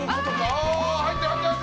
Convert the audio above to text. ああ入ってる入ってる！